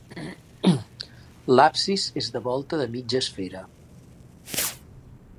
L'absis és de volta de mitja esfera.